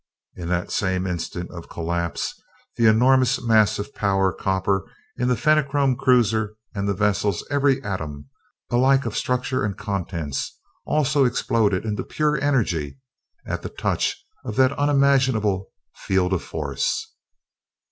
In that same instant of collapse, the enormous mass of power copper in the Fenachrone cruiser and the vessel's every atom, alike of structure and contents, also exploded into pure energy at the touch of that unimaginable field of force.